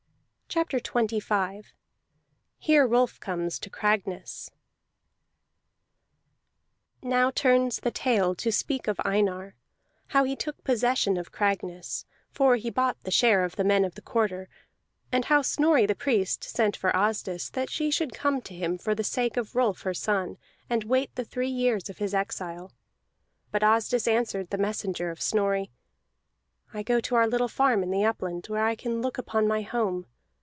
CHAPTER XXV HERE ROLF COMES TO CRAGNESS Now turns the tale to speak of Einar, how he took possession of Cragness (for he bought the share of the men of the Quarter); and how Snorri the Priest sent for Asdis that she should come to him for the sake of Rolf her son, and wait the three years of his exile. But Asdis answered the messenger of Snorri: "I go to our little farm in the upland, where I can look upon my home.